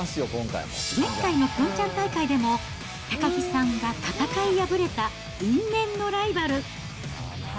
前回のピョンチャン大会でも、高木さんが戦い敗れた因縁のライバル。